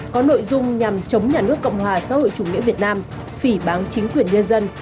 có nội dung nhằm chống nhà nước cộng hòa xã hội chủ nghĩa việt nam phỉ bán chính quyền nhân dân